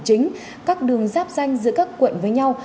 chính các đường giáp danh giữa các quận với nhau